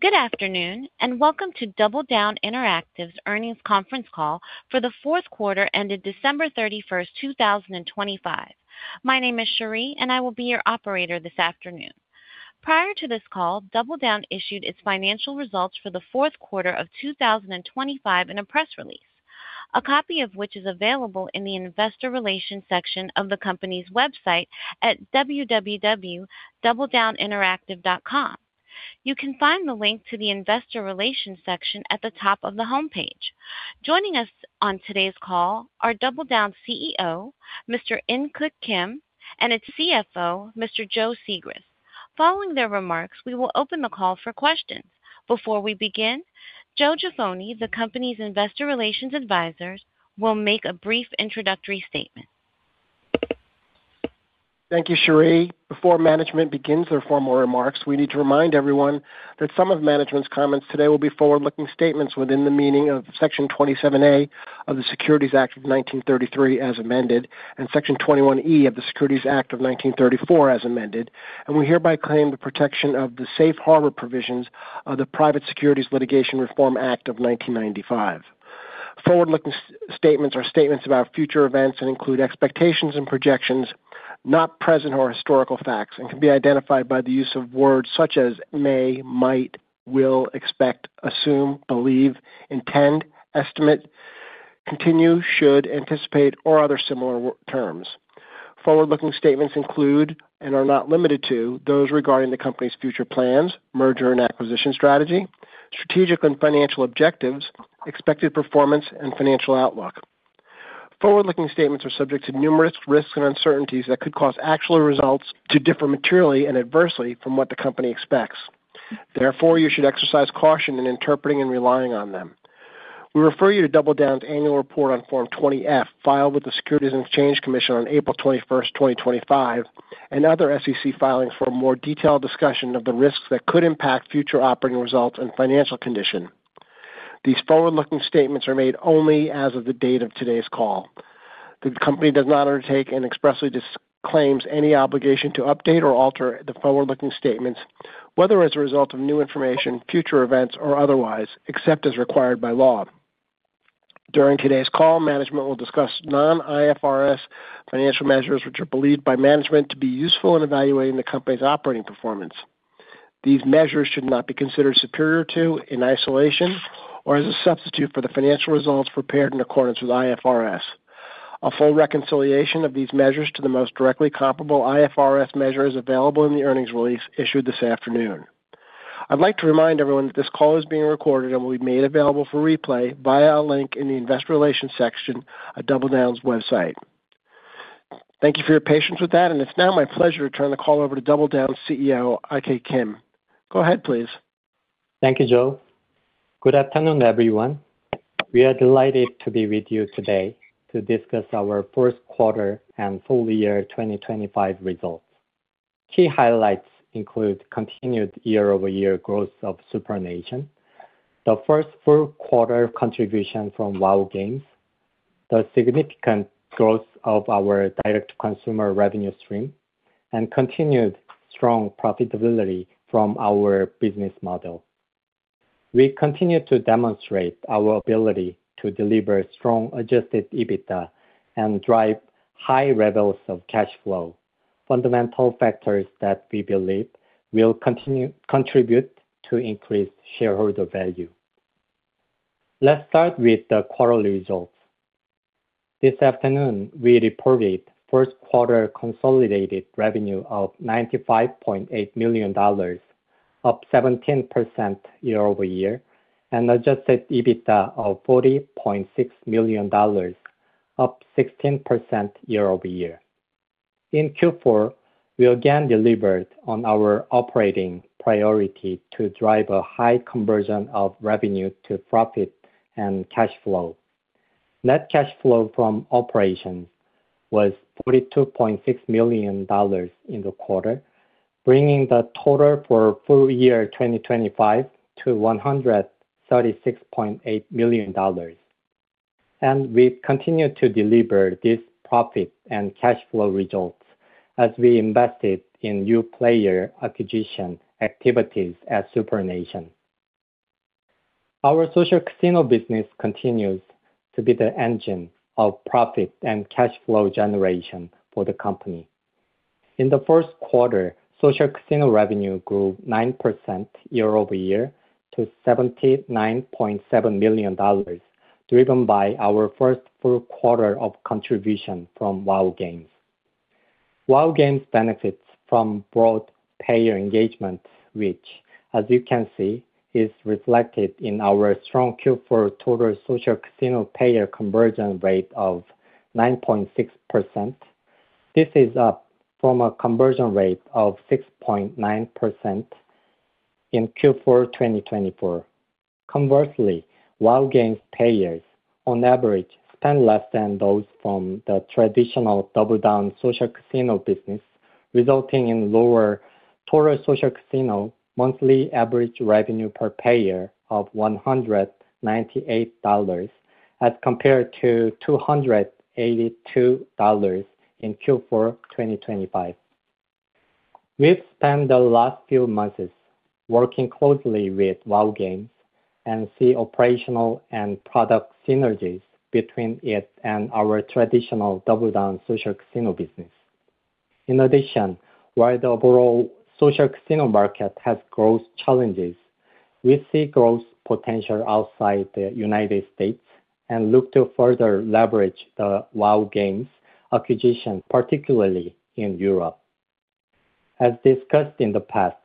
Good afternoon and welcome to DoubleDown Interactive's Earnings Conference Call for the Fourth Quarter ended December 31st, 2025. My name is Sheri, and I will be your operator this afternoon. Prior to this call, DoubleDown issued its financial results for the fourth quarter of 2025 in a press release, a copy of which is available in the investor relations section of the company's website at www.doubledowninteractive.com. You can find the link to the investor relations section at the top of the homepage. Joining us on today's call are DoubleDown's CEO, Mr. In Keuk Kim, and its CFO, Mr. Joe Sigrist. Following their remarks, we will open the call for questions. Before we begin, Joe Jaffoni, the company's investor relations advisor, will make a brief introductory statement. Thank you, Sheri. Before management begins their formal remarks, we need to remind everyone that some of management's comments today will be forward-looking statements within the meaning of Section 27A of the Securities Act of 1933 as amended and Section 21E of the Securities Act of 1934 as amended, and we hereby claim the protection of the Safe Harbor provisions of the Private Securities Litigation Reform Act of 1995. Forward-looking statements are statements about future events and include expectations and projections, not present or historical facts, and can be identified by the use of words such as may, might, will, expect, assume, believe, intend, estimate, continue, should, anticipate, or other similar terms. Forward-looking statements include and are not limited to those regarding the company's future plans, merger and acquisition strategy, strategic and financial objectives, expected performance, and financial outlook. Forward-looking statements are subject to numerous risks and uncertainties that could cause actual results to differ materially and adversely from what the company expects. Therefore, you should exercise caution in interpreting and relying on them. We refer you to DoubleDown's annual report on Form 20-F filed with the Securities and Exchange Commission on April 21st, 2025, and other SEC filings for a more detailed discussion of the risks that could impact future operating results and financial condition. These forward-looking statements are made only as of the date of today's call. The company does not undertake and expressly disclaims any obligation to update or alter the forward-looking statements, whether as a result of new information, future events, or otherwise, except as required by law. During today's call, management will discuss non-IFRS financial measures which are believed by management to be useful in evaluating the company's operating performance. These measures should not be considered superior to in isolation or as a substitute for the financial results prepared in accordance with IFRS. A full reconciliation of these measures to the most directly comparable IFRS measure is available in the earnings release issued this afternoon. I'd like to remind everyone that this call is being recorded and will be made available for replay via a link in the investor relations section at DoubleDown's website. Thank you for your patience with that, and it's now my pleasure to turn the call over to DoubleDown's CEO, In Keuk Kim. Go ahead, please. Thank you, Joe. Good afternoon, everyone. We are delighted to be with you today to discuss our fourth quarter and full year 2025 results. Key highlights include continued year-over-year growth of SuprNation, the first full quarter contribution from WHOW Games, the significant growth of our direct-to-consumer revenue stream, and continued strong profitability from our business model. We continue to demonstrate our ability to deliver strong adjusted EBITDA and drive high levels of cash flow, fundamental factors that we believe will contribute to increased shareholder value. Let's start with the quarterly results. This afternoon, we reported first quarter consolidated revenue of $95.8 million, up 17% year-over-year, and adjusted EBITDA of $40.6 million, up 16% year-over-year. In Q4, we again delivered on our operating priority to drive a high conversion of revenue to profit and cash flow. Net cash flow from operations was $42.6 million in the quarter, bringing the total for full year 2025 to $136.8 million. We continue to deliver these profit and cash flow results as we invested in new player acquisition activities at SuprNation. Our social casino business continues to be the engine of profit and cash flow generation for the company. In the first quarter, social casino revenue grew 9% year-over-year to $79.7 million, driven by our first full quarter of contribution from WHOW Games. WHOW Games benefits from broad payer engagement, which, as you can see, is reflected in our strong Q4 total social casino payer conversion rate of 9.6%. This is up from a conversion rate of 6.9% in Q4 2024. Conversely, WHOW Games payers, on average, spend less than those from the traditional DoubleDown social casino business, resulting in lower total social casino monthly average revenue per payer of $198 as compared to $282 in Q4 2025. We've spent the last few months working closely with WHOW Games and see operational and product synergies between it and our traditional DoubleDown social casino business. In addition, while the overall social casino market has growth challenges, we see growth potential outside the United States and look to further leverage the WHOW Games acquisition, particularly in Europe. As discussed in the past,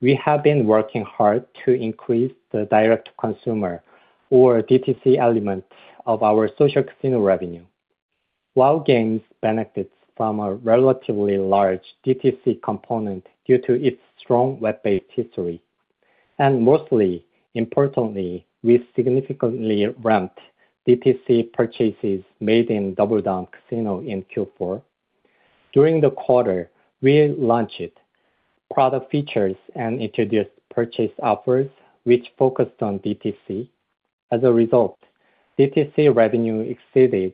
we have been working hard to increase the direct-to-consumer or DTC element of our social casino revenue. WHOW Games benefits from a relatively large DTC component due to its strong web-based history. And most importantly, we significantly ramped DTC purchases made in DoubleDown Casino in Q4. During the quarter, we launched product features and introduced purchase offers which focused on DTC. As a result, DTC revenue exceeded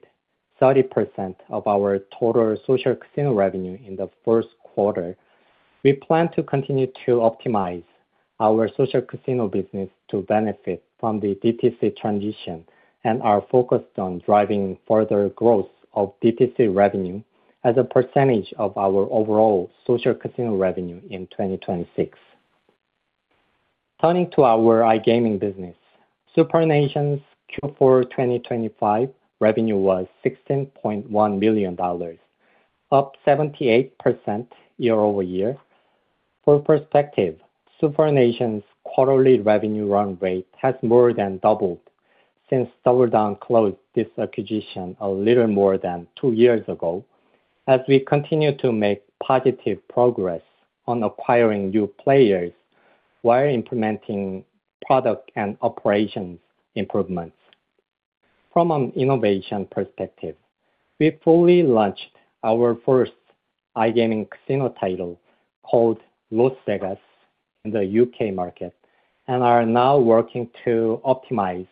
30% of our total social casino revenue in the first quarter. We plan to continue to optimize our social casino business to benefit from the DTC transition and are focused on driving further growth of DTC revenue as a percentage of our overall social casino revenue in 2026. Turning to our iGaming business, SuprNation's Q4 2025 revenue was $16.1 million, up 78% year-over-year. For perspective, SuprNation's quarterly revenue run rate has more than doubled since DoubleDown closed this acquisition a little more than two years ago, as we continue to make positive progress on acquiring new players while implementing product and operations improvements. From an innovation perspective, we fully launched our first iGaming casino title called Las Vegas in the U.K. market and are now working to optimize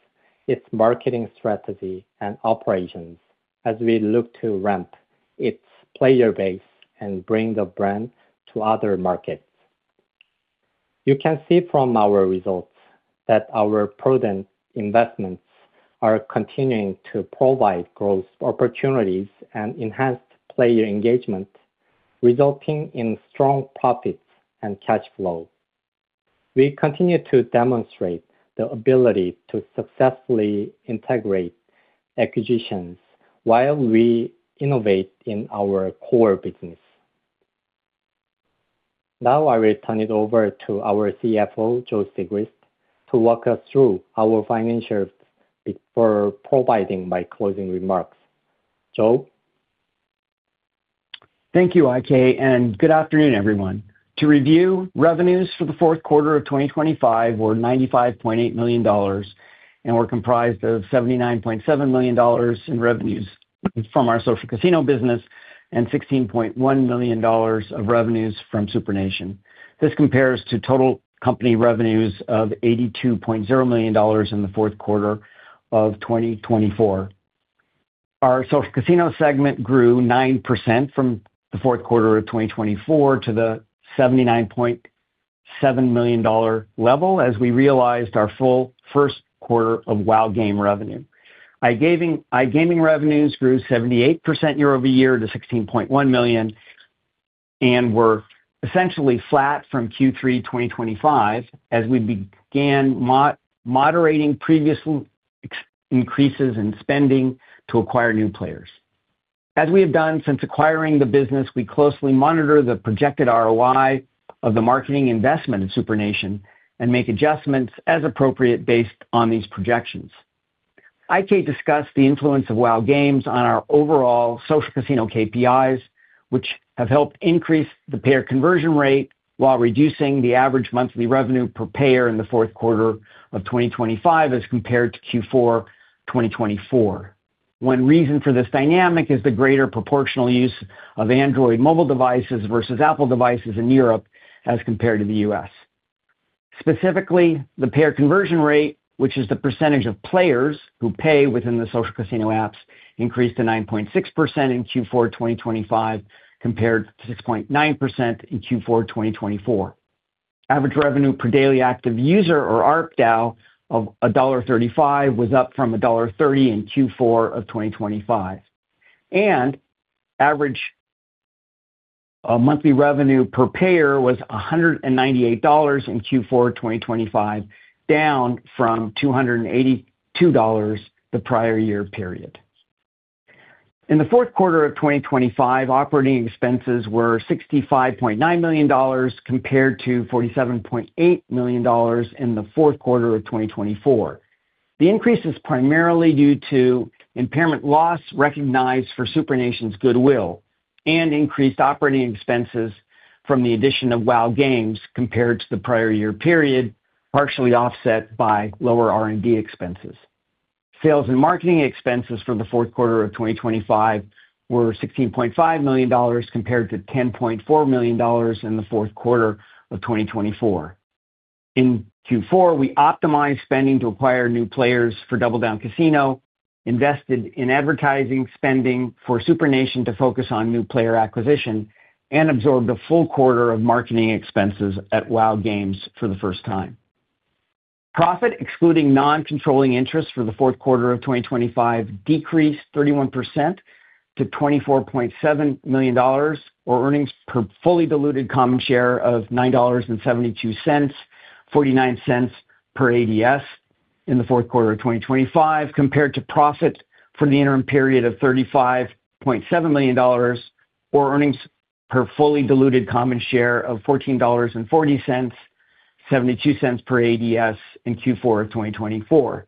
its marketing strategy and operations as we look to ramp its player base and bring the brand to other markets. You can see from our results that our prudent investments are continuing to provide growth opportunities and enhanced player engagement, resulting in strong profits and cash flow. We continue to demonstrate the ability to successfully integrate acquisitions while we innovate in our core business. Now I will turn it over to our CFO, Joe Sigrist, to walk us through our financials before providing my closing remarks. Joe? Thank you, IK. And good afternoon, everyone. To review, revenues for the fourth quarter of 2025 were $95.8 million, and we're comprised of $79.7 million in revenues from our social casino business and $16.1 million of revenues from SuprNation. This compares to total company revenues of $82.0 million in the fourth quarter of 2024. Our social casino segment grew 9% from the fourth quarter of 2024 to the $79.7 million level as we realized our full first quarter of WHOW Games revenue. iGaming revenues grew 78% year-over-year to $16.1 million and were essentially flat from Q3 2025 as we began moderating previous increases in spending to acquire new players. As we have done since acquiring the business, we closely monitor the projected ROI of the marketing investment in SuprNation and make adjustments as appropriate based on these projections. IK discussed the influence of WHOW Games on our overall social casino KPIs, which have helped increase the payer conversion rate while reducing the average monthly revenue per payer in the fourth quarter of 2025 as compared to Q4 2024. One reason for this dynamic is the greater proportional use of Android mobile devices versus Apple devices in Europe as compared to the U.S. Specifically, the payer conversion rate, which is the percentage of players who pay within the social casino apps, increased to 9.6% in Q4 2025 compared to 6.9% in Q4 2024. Average revenue per daily active user, or ARPDAU, of $1.35 was up from $1.30 in Q4 of 2025. Average monthly revenue per payer was $198 in Q4 2025, down from $282 the prior year period. In the fourth quarter of 2025, operating expenses were $65.9 million compared to $47.8 million in the fourth quarter of 2024. The increase is primarily due to impairment loss recognized for SuprNation's goodwill and increased operating expenses from the addition of WHOW Games compared to the prior year period, partially offset by lower R&D expenses. Sales and marketing expenses for the fourth quarter of 2025 were $16.5 million compared to $10.4 million in the fourth quarter of 2024. In Q4, we optimized spending to acquire new players for DoubleDown Casino, invested in advertising spending for SuprNation to focus on new player acquisition, and absorbed a full quarter of marketing expenses at WHOW Games for the first time. Profit excluding non-controlling interests for the fourth quarter of 2025 decreased 31% to $24.7 million, or earnings per fully diluted common share of $9.72, $0.49 per ADS in the fourth quarter of 2025 compared to profit for the interim period of $35.7 million, or earnings per fully diluted common share of $14.40, $0.72 per ADS in Q4 of 2024.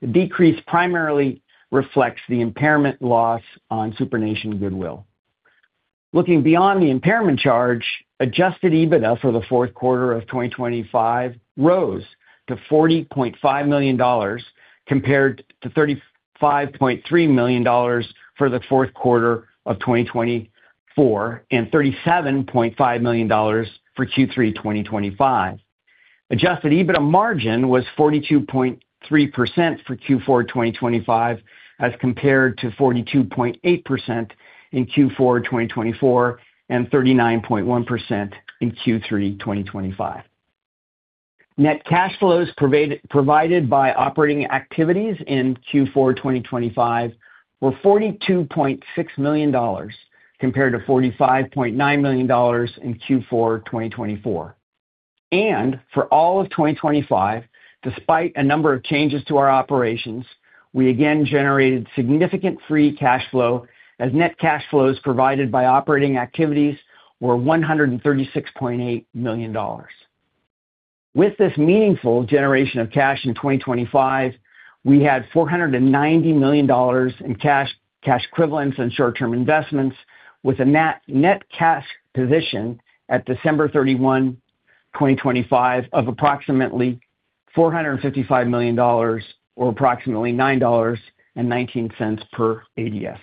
The decrease primarily reflects the impairment loss on SuprNation goodwill. Looking beyond the impairment charge, Adjusted EBITDA for the fourth quarter of 2025 rose to $40.5 million compared to $35.3 million for the fourth quarter of 2024 and $37.5 million for Q3 2025. Adjusted EBITDA margin was 42.3% for Q4 2025 as compared to 42.8% in Q4 2024 and 39.1% in Q3 2025. Net cash flows provided by operating activities in Q4 2025 were $42.6 million compared to $45.9 million in Q4 2024. For all of 2025, despite a number of changes to our operations, we again generated significant free cash flow as net cash flows provided by operating activities were $136.8 million. With this meaningful generation of cash in 2025, we had $490 million in cash equivalents and short-term investments, with a net cash position at December 31, 2025, of approximately $455 million, or approximately $9.19 per ADS.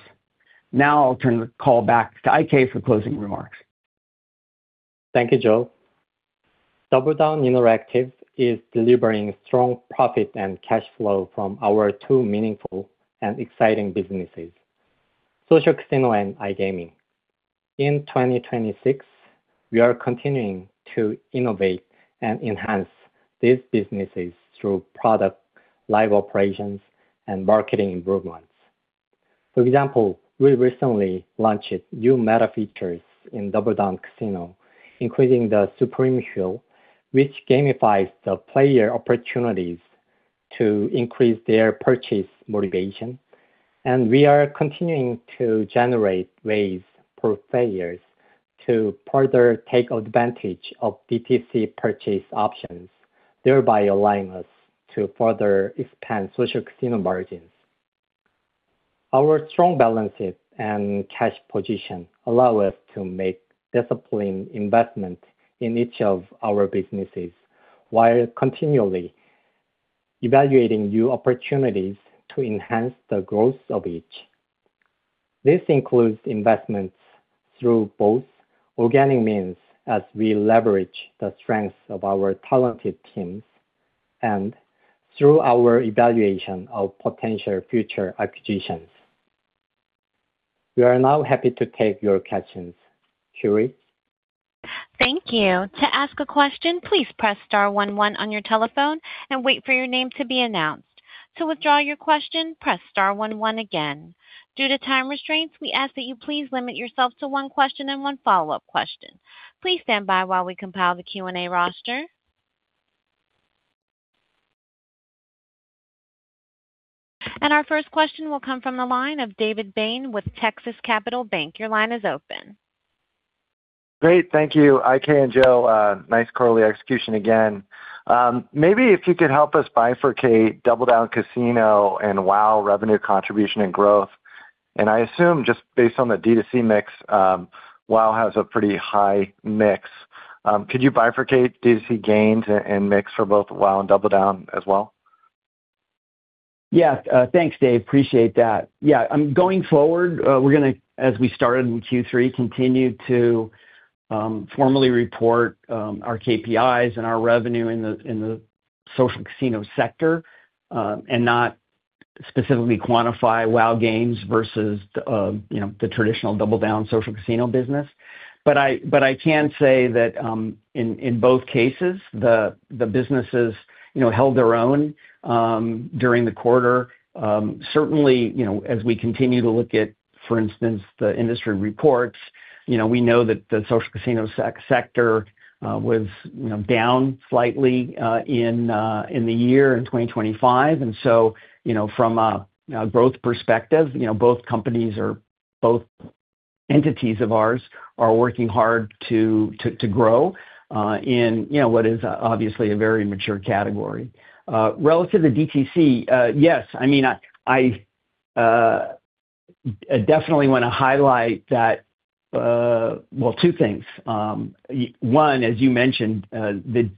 Now I'll turn the call back to IK for closing remarks. Thank you, Joe. DoubleDown Interactive is delivering strong profit and cash flow from our two meaningful and exciting businesses, social casino and iGaming. In 2026, we are continuing to innovate and enhance these businesses through product live operations and marketing improvements. For example, we recently launched new meta features in DoubleDown Casino, including the Supreme Heroes, which gamifies the player opportunities to increase their purchase motivation. We are continuing to generate ways for players to further take advantage of DTC purchase options, thereby allowing us to further expand social casino margins. Our strong balance sheet and cash position allow us to make disciplined investment in each of our businesses while continually evaluating new opportunities to enhance the growth of each. This includes investments through both organic means as we leverage the strengths of our talented teams and through our evaluation of potential future acquisitions. We are now happy to take your questions. Sheri? Thank you. To ask a question, please press star one one on your telephone and wait for your name to be announced. To withdraw your question, press star one one again. Due to time restraints, we ask that you please limit yourself to one question and one follow-up question. Please stand by while we compile the Q&A roster. Our first question will come from the line of David Bain with Texas Capital Bank. Your line is open. Great. Thank you, IK and Joe. Nice solid execution again. Maybe if you could help us bifurcate DoubleDown Casino and WHOW revenue contribution and growth. I assume just based on the DTC mix, WHOW has a pretty high mix. Could you bifurcate DTC gains and mix for both WHOW and DoubleDown as well? Yes. Thanks, Dave. Appreciate that. Yeah. Going forward, we're going to, as we started in Q3, continue to formally report our KPIs and our revenue in the social casino sector and not specifically quantify WHOW Games versus the traditional DoubleDown social casino business. But I can say that in both cases, the businesses held their own during the quarter. Certainly, as we continue to look at, for instance, the industry reports, we know that the social casino sector was down slightly in the year in 2025. And so from a growth perspective, both companies or both entities of ours are working hard to grow in what is obviously a very mature category. Relative to DTC, yes. I mean, I definitely want to highlight that, well, two things. One, as you mentioned, the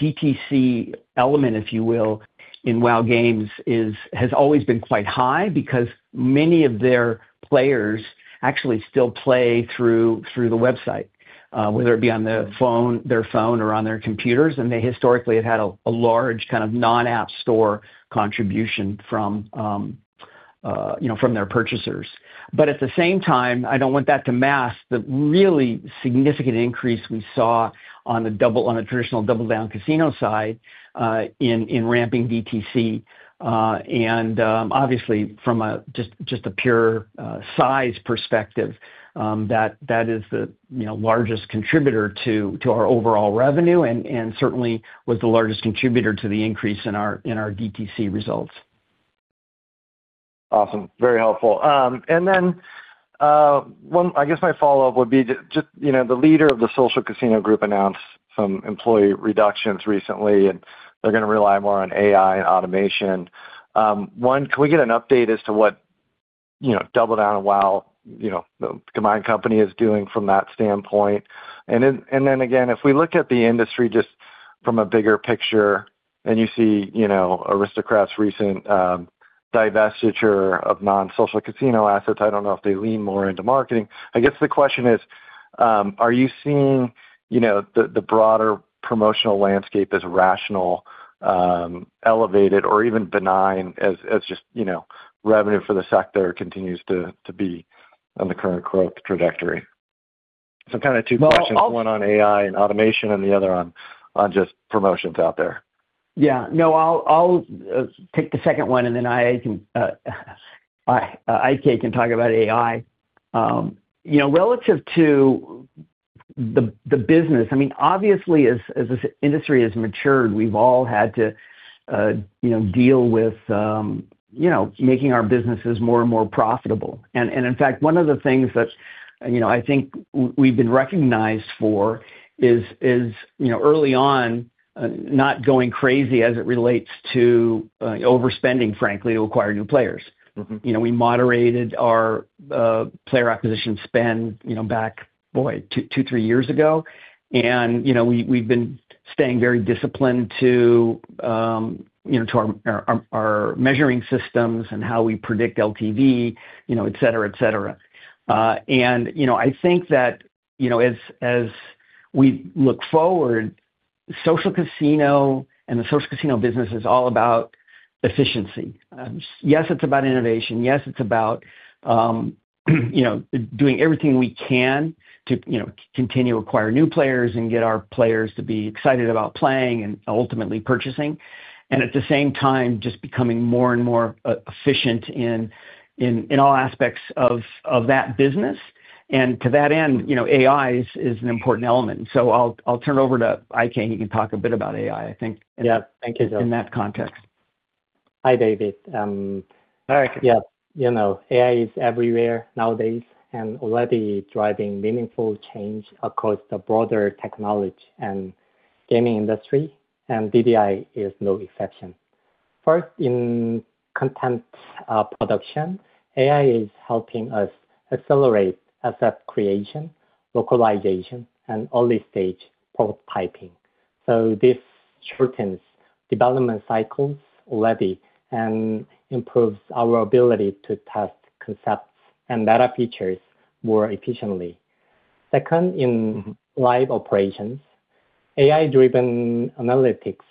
DTC element, if you will, in WHOW Games has always been quite high because many of their players actually still play through the website, whether it be on their phone or on their computers. And they historically have had a large kind of non-app store contribution from their purchasers. But at the same time, I don't want that to mask the really significant increase we saw on the traditional DoubleDown Casino side in ramping DTC. And obviously, from just a pure size perspective, that is the largest contributor to our overall revenue and certainly was the largest contributor to the increase in our DTC results. Awesome. Very helpful. And then I guess my follow-up would be just the leader of the social casino group announced some employee reductions recently, and they're going to rely more on AI and automation. One, can we get an update as to what DoubleDown and WHOW, the combined company, is doing from that standpoint? And then again, if we look at the industry just from a bigger picture and you see Aristocrat's recent divestiture of non-social casino assets, I don't know if they lean more into marketing. I guess the question is, are you seeing the broader promotional landscape as rational, elevated, or even benign as just revenue for the sector continues to be on the current growth trajectory? So kind of two questions, one on AI and automation and the other on just promotions out there. Yeah. No, I'll take the second one, and then IK can talk about AI. Relative to the business, I mean, obviously, as this industry has matured, we've all had to deal with making our businesses more and more profitable. In fact, one of the things that I think we've been recognized for is early on not going crazy as it relates to overspending, frankly, to acquire new players. We moderated our player acquisition spend back, boy, 2-3 years ago. We've been staying very disciplined to our measuring systems and how we predict LTV, etc., etc. I think that as we look forward, social casino and the social casino business is all about efficiency. Yes, it's about innovation. Yes, it's about doing everything we can to continue to acquire new players and get our players to be excited about playing and ultimately purchasing, and at the same time, just becoming more and more efficient in all aspects of that business. To that end, AI is an important element. I'll turn it over to IK. He can talk a bit about AI, I think, in that context. Hi, David. Yeah. AI is everywhere nowadays and already driving meaningful change across the broader technology and gaming industry, and DDI is no exception. First, in content production, AI is helping us accelerate asset creation, localization, and early-stage prototyping. So this shortens development cycles already and improves our ability to test concepts and meta features more efficiently. Second, in live operations, AI-driven analytics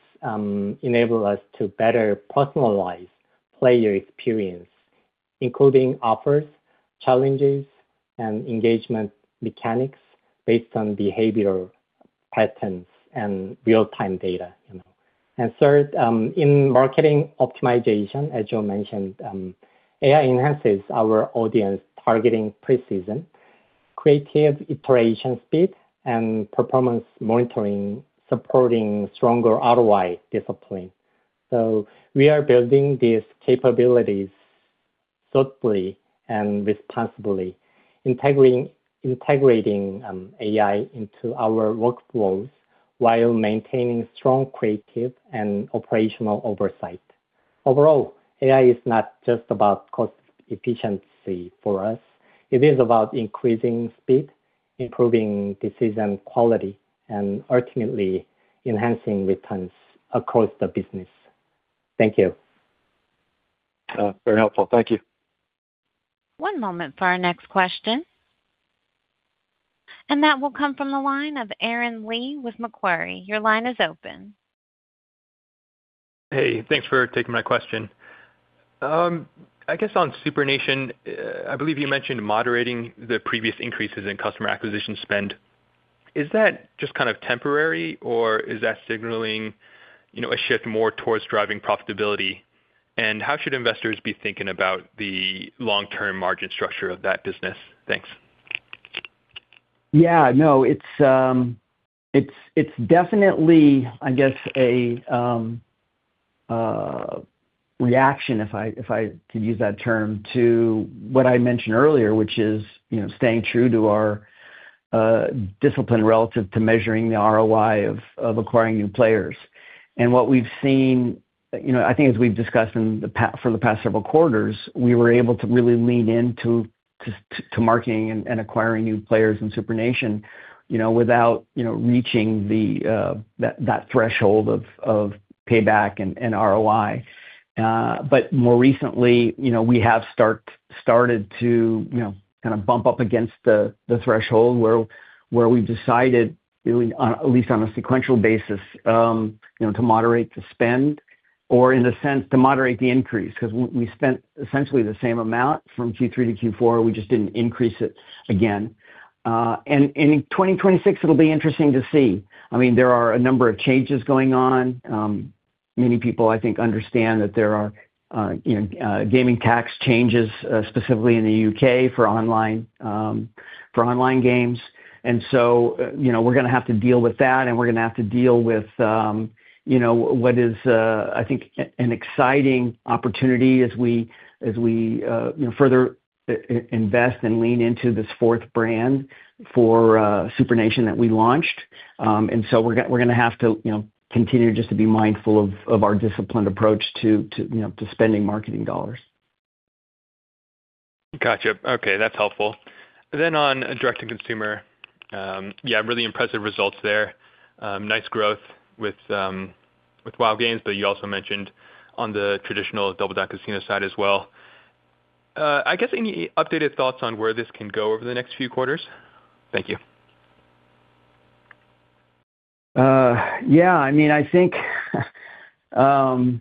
enable us to better personalize player experience, including offers, challenges, and engagement mechanics based on behavioral patterns and real-time data. And third, in marketing optimization, as Joe mentioned, AI enhances our audience targeting pre-season, creative iteration speed, and performance monitoring, supporting stronger ROI discipline. So we are building these capabilities thoughtfully and responsibly, integrating AI into our workflows while maintaining strong creative and operational oversight. Overall, AI is not just about cost efficiency for us.It is about increasing speed, improving decision quality, and ultimately enhancing returns across the business. Thank you. Very helpful. Thank you. One moment for our next question. That will come from the line of Aaron Lee with Macquarie. Your line is open. Hey. Thanks for taking my question. I guess on SuprNation, I believe you mentioned moderating the previous increases in customer acquisition spend. Is that just kind of temporary, or is that signaling a shift more towards driving profitability? And how should investors be thinking about the long-term margin structure of that business? Thanks. Yeah. No, it's definitely, I guess, a reaction, if I could use that term, to what I mentioned earlier, which is staying true to our discipline relative to measuring the ROI of acquiring new players. And what we've seen, I think, as we've discussed for the past several quarters, we were able to really lean into marketing and acquiring new players in SuprNation without reaching that threshold of payback and ROI. But more recently, we have started to kind of bump up against the threshold where we've decided, at least on a sequential basis, to moderate the spend or, in a sense, to moderate the increase because we spent essentially the same amount from Q3 to Q4. We just didn't increase it again. And in 2026, it'll be interesting to see. I mean, there are a number of changes going on. Many people, I think, understand that there are gaming tax changes, specifically in the UK, for online games. So we're going to have to deal with that, and we're going to have to deal with what is, I think, an exciting opportunity as we further invest and lean into this fourth brand for SuprNation that we launched. So we're going to have to continue just to be mindful of our disciplined approach to spending marketing dollars. Gotcha. Okay. That's helpful. Then on direct-to-consumer, yeah, really impressive results there. Nice growth with WHOW Games, but you also mentioned on the traditional DoubleDown Casino side as well. I guess any updated thoughts on where this can go over the next few quarters? Thank you. Yeah. I mean, I think I'll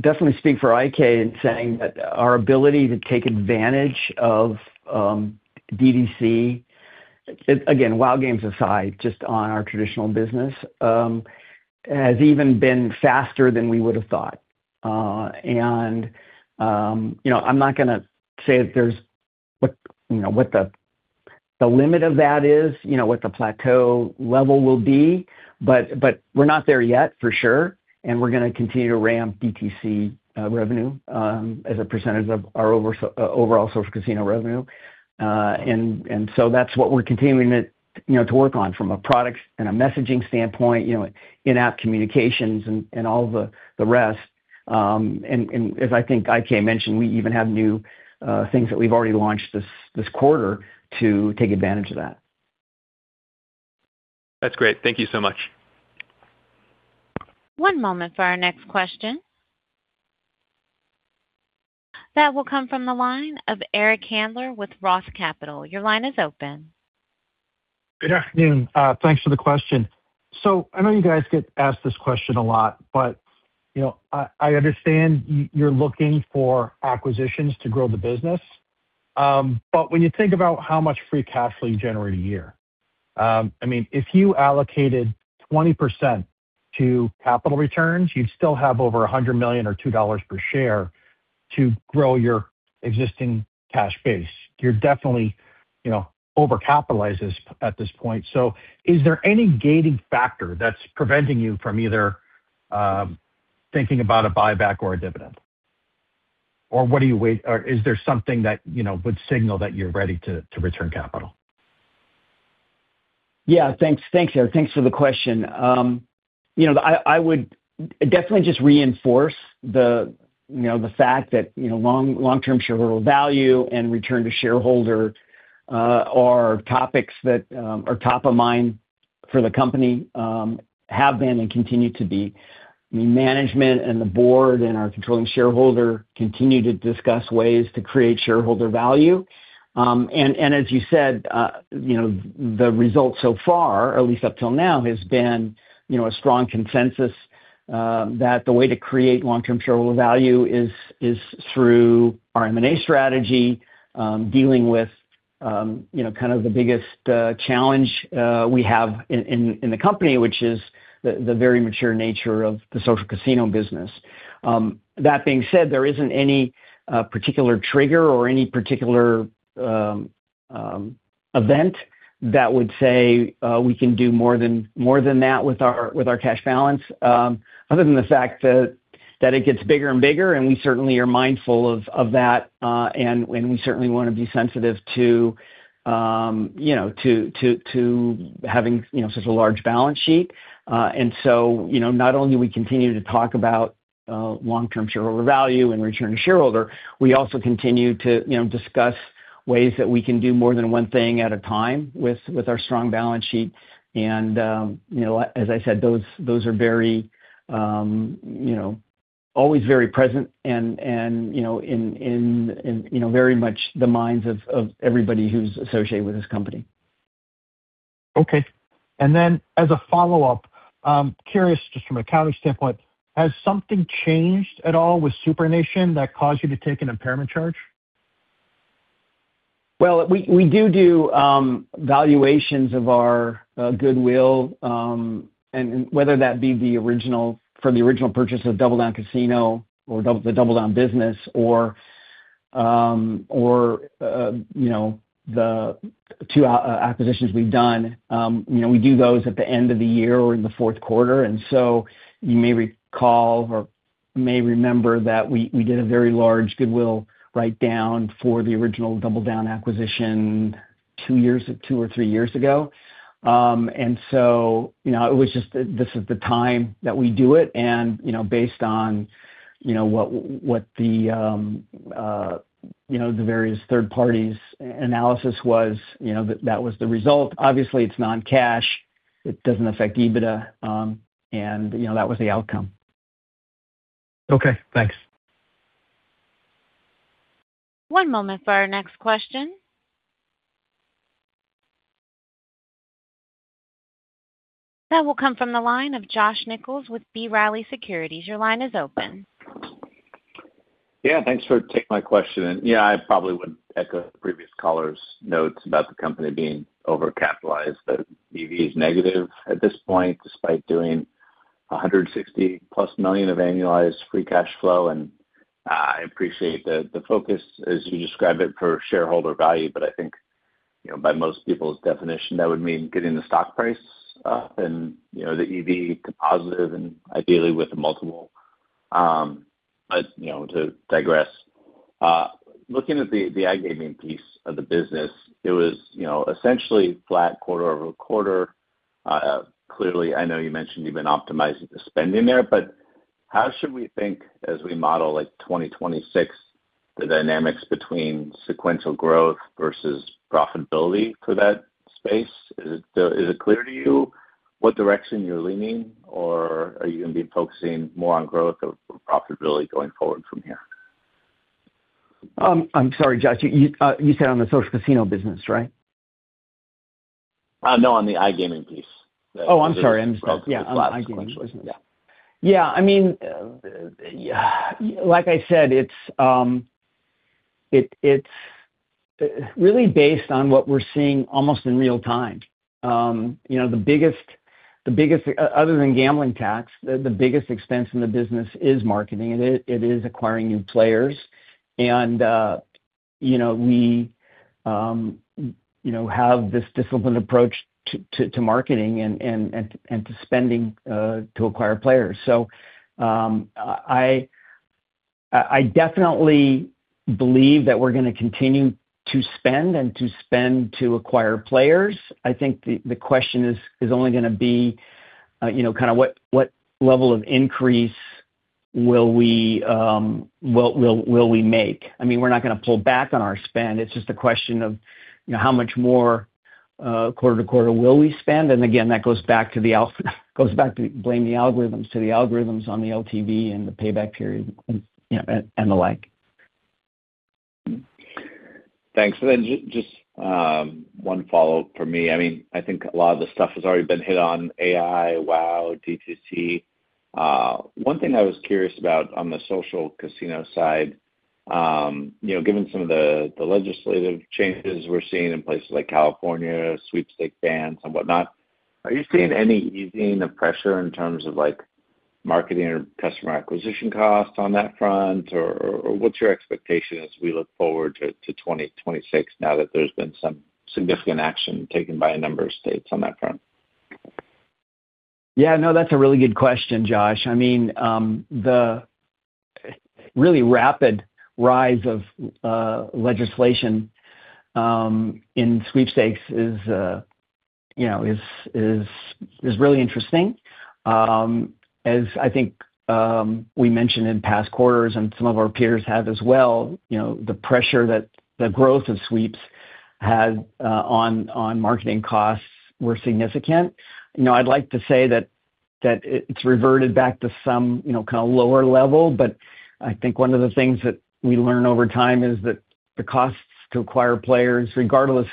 definitely speak for IK in saying that our ability to take advantage of DDC, again, WHOW Games aside, just on our traditional business, has even been faster than we would have thought. And I'm not going to say what the limit of that is, what the plateau level will be, but we're not there yet, for sure. And we're going to continue to ramp DTC revenue as a percentage of our overall social casino revenue. And so that's what we're continuing to work on from a product and a messaging standpoint, in-app communications, and all the rest. And as I think IK mentioned, we even have new things that we've already launched this quarter to take advantage of that. That's great. Thank you so much. One moment for our next question. That will come from the line of Eric Handler with Roth Capital. Your line is open. Good afternoon. Thanks for the question. So I know you guys get asked this question a lot, but I understand you're looking for acquisitions to grow the business. But when you think about how much free cash flow you generate a year, I mean, if you allocated 20% to capital returns, you'd still have over $100 million or $2 per share to grow your existing cash base. You're definitely overcapitalized at this point. So is there any gating factor that's preventing you from either thinking about a buyback or a dividend? Or what do you wait or is there something that would signal that you're ready to return capital? Yeah. Thanks, Joe. Thanks for the question. I would definitely just reinforce the fact that long-term shareholder value and return to shareholder are topics that are top of mind for the company, have been and continue to be. I mean, management and the board and our controlling shareholder continue to discuss ways to create shareholder value. And as you said, the result so far, at least up till now, has been a strong consensus that the way to create long-term shareholder value is through our M&A strategy, dealing with kind of the biggest challenge we have in the company, which is the very mature nature of the social casino business. That being said, there isn't any particular trigger or any particular event that would say we can do more than that with our cash balance, other than the fact that it gets bigger and bigger, and we certainly are mindful of that, and we certainly want to be sensitive to having such a large balance sheet. Not only do we continue to talk about long-term shareholder value and return to shareholder, we also continue to discuss ways that we can do more than one thing at a time with our strong balance sheet. As I said, those are always very present and in very much the minds of everybody who's associated with this company. Okay. And then as a follow-up, curious just from an accounting standpoint, has something changed at all with SuprNation that caused you to take an impairment charge? Well, we do do valuations of our goodwill, and whether that be for the original purchase of DoubleDown Casino or the DoubleDown business or the two acquisitions we've done, we do those at the end of the year or in the fourth quarter. And so you may recall or may remember that we did a very large goodwill write-down for the original DoubleDown acquisition two or three years ago. And so it was just this is the time that we do it. And based on what the various third parties' analysis was, that was the result. Obviously, it's non-cash. It doesn't affect EBITDA. And that was the outcome. Okay. Thanks. One moment for our next question. That will come from the line of Josh Nichols with B. Riley Securities. Your line is open. Yeah. Thanks for taking my question. Yeah, I probably wouldn't echo the previous caller's notes about the company being overcapitalized, but EV is negative at this point despite doing $160+ million of annualized free cash flow. I appreciate the focus, as you describe it, for shareholder value. But I think by most people's definition, that would mean getting the stock price up and the EV to positive, and ideally with a multiple. To digress, looking at the iGaming piece of the business, it was essentially flat quarter-over-quarter. Clearly, I know you mentioned you've been optimizing the spending there, but how should we think as we model 2026, the dynamics between sequential growth versus profitability for that space? Is it clear to you what direction you're leaning, or are you going to be focusing more on growth or profitability going forward from here? I'm sorry, Josh. You said on the social casino business, right? No, on the iGaming piece. Oh, I'm sorry. I misspoke. Yeah, on the iGaming business. Yeah. I mean, like I said, it's really based on what we're seeing almost in real time. Other than gambling tax, the biggest expense in the business is marketing. It is acquiring new players. And we have this disciplined approach to marketing and to spending to acquire players. So I definitely believe that we're going to continue to spend and to spend to acquire players. I think the question is only going to be kind of what level of increase will we make? I mean, we're not going to pull back on our spend. It's just a question of how much more quarter to quarter will we spend? And again, that goes back to the goes back to blame the algorithms, to the algorithms on the LTV and the payback period and the like. Thanks. And then just one follow-up from me. I mean, I think a lot of the stuff has already been hit on AI, WHOW, DTC. One thing I was curious about on the social casino side, given some of the legislative changes we're seeing in places like California, sweepstakes bans and whatnot, are you seeing any easing of pressure in terms of marketing or customer acquisition costs on that front? Or what's your expectation as we look forward to 2026 now that there's been some significant action taken by a number of states on that front? Yeah. No, that's a really good question, Josh. I mean, the really rapid rise of legislation in sweepstakes is really interesting. As I think we mentioned in past quarters, and some of our peers have as well, the pressure that the growth of sweeps had on marketing costs were significant. I'd like to say that it's reverted back to some kind of lower level, but I think one of the things that we learn over time is that the costs to acquire players, regardless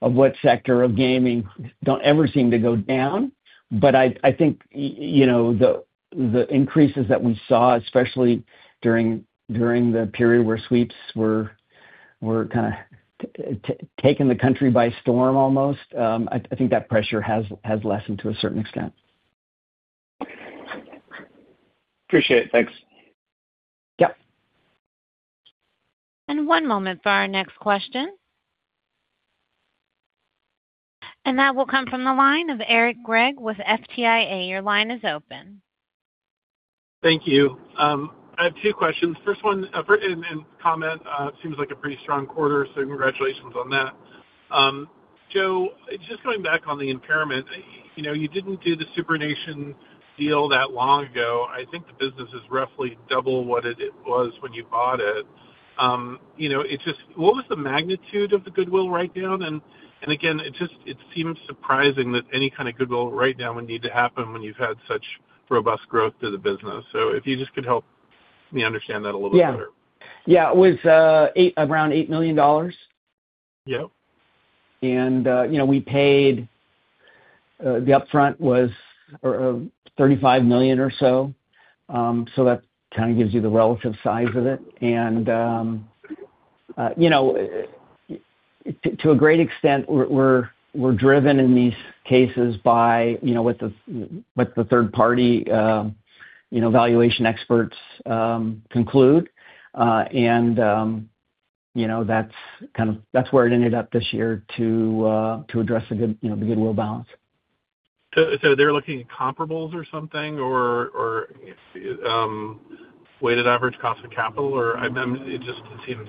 of what sector of gaming, don't ever seem to go down. But I think the increases that we saw, especially during the period where sweeps were kind of taking the country by storm almost, I think that pressure has lessened to a certain extent. Appreciate it. Thanks. Yep. One moment for our next question. That will come from the line of Eric Gregg with FTIA. Your line is open. Thank you. I have two questions. First one, and comment, it seems like a pretty strong quarter, so congratulations on that. Joe, just going back on the impairment, you didn't do the SuprNation deal that long ago. I think the business is roughly double what it was when you bought it. What was the magnitude of the goodwill write-down? And again, it seems surprising that any kind of goodwill write-down would need to happen when you've had such robust growth to the business. So if you just could help me understand that a little bit better. Yeah. Yeah. It was around $8 million. And we paid the upfront was $35 million or so. So that kind of gives you the relative size of it. And to a great extent, we're driven in these cases by what the third-party valuation experts conclude. And that's kind of where it ended up this year to address the goodwill balance. So they're looking at comparables or something or weighted average cost of capital? Or it just seems,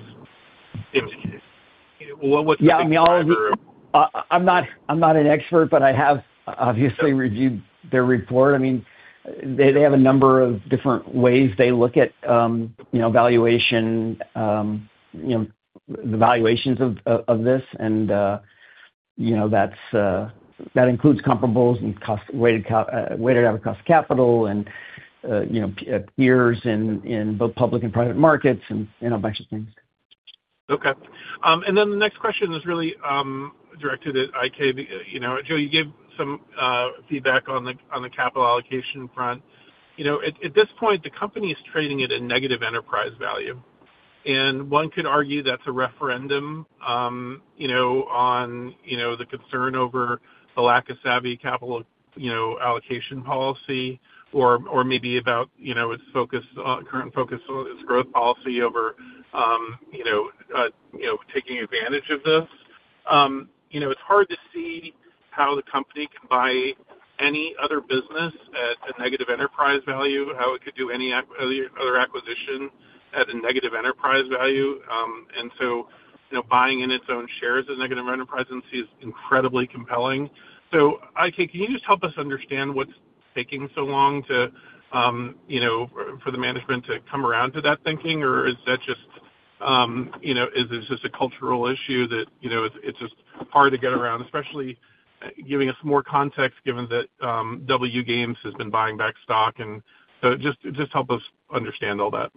well, what's the comparator? Yeah. I mean, I'm not an expert, but I have obviously reviewed their report. I mean, they have a number of different ways they look at the valuations of this. That includes comparables and weighted average cost of capital and peers in both public and private markets and a bunch of things. Okay. And then the next question is really directed at IK. Joe, you gave some feedback on the capital allocation front. At this point, the company is trading at a negative enterprise value. And one could argue that's a referendum on the concern over the lack of savvy capital allocation policy or maybe about its current focus on its growth policy over taking advantage of this. It's hard to see how the company can buy any other business at a negative enterprise value, how it could do any other acquisition at a negative enterprise value. And so buying in its own shares at a negative enterprise EV is incredibly compelling. So IK, can you just help us understand what's taking so long for the management to come around to that thinking? Or is that just is it just a cultural issue that it's just hard to get around, especially giving us more context given that WHOW Games has been buying back stock? And so just help us understand all that.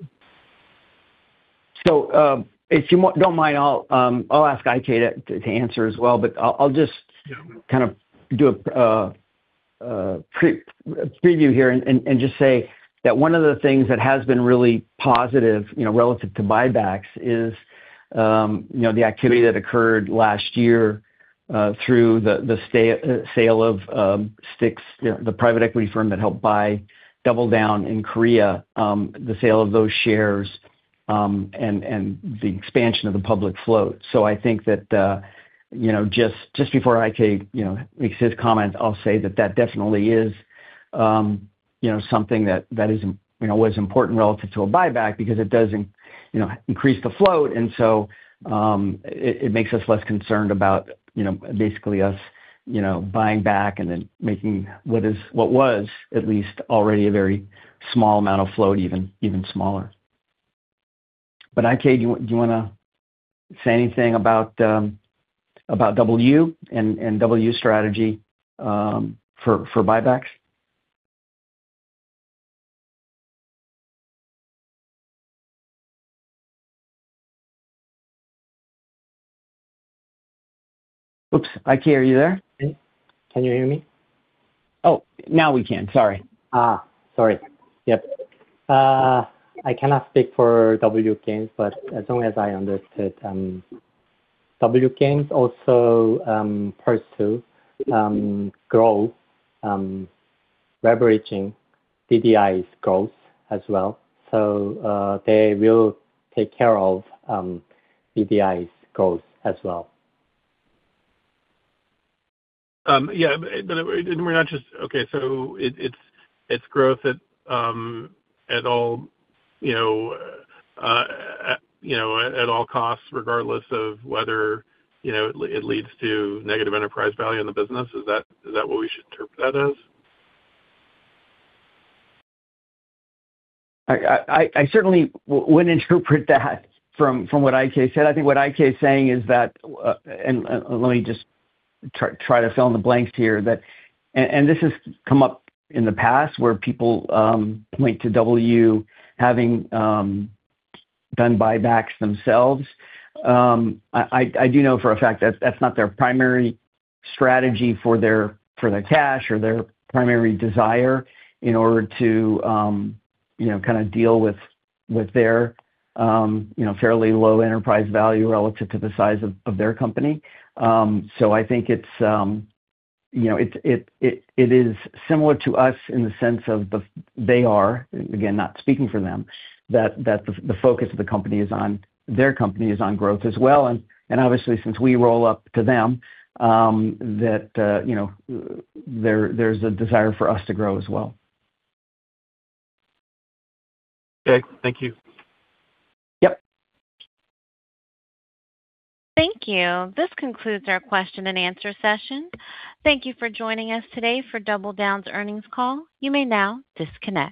So if you don't mind, I'll ask IK to answer as well, but I'll just kind of do a preview here and just say that one of the things that has been really positive relative to buybacks is the activity that occurred last year through the sale of STIC, the private equity firm that helped buy DoubleDown in Korea, the sale of those shares, and the expansion of the public float. So I think that just before IK makes his comment, I'll say that that definitely is something that was important relative to a buyback because it does increase the float. And so it makes us less concerned about basically us buying back and then making what was at least already a very small amount of float, even smaller. But IK, do you want to say anything about WHOW's strategy for buybacks? Oops. IK, are you there? Can you hear me? Oh, now we can. Sorry. Sorry. Yep. I cannot speak for WHOW Games, but as long as I understood, WHOW Games also pursue growth, leveraging DDI's growth as well. So they will take care of DDI's growth as well. Yeah. We're not just okay. It's growth at all costs, regardless of whether it leads to negative enterprise value in the business. Is that what we should interpret that as? I certainly wouldn't interpret that from what IK said. I think what IK is saying is that and let me just try to fill in the blanks here. This has come up in the past where people point to DoubleU having done buybacks themselves. I do know for a fact that that's not their primary strategy for their cash or their primary desire in order to kind of deal with their fairly low enterprise value relative to the size of their company. So I think it is similar to us in the sense of they are again, not speaking for them, that the focus of the company is on their company is on growth as well. Obviously, since we roll up to them, that there's a desire for us to grow as well. Okay. Thank you. Yep. Thank you. This concludes our question-and-answer session. Thank you for joining us today for DoubleDown's earnings call. You may now disconnect.